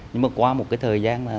nhưng mà qua một cái thời gian